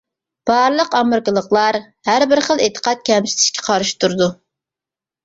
بارلىق ئامېرىكىلىقلار، ھەربىر خىل ئېتىقاد كەمسىتىشكە قارشى تۇرىدۇ.